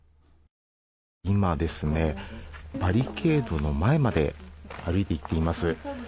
今、バリケードの前まで歩いて行っています。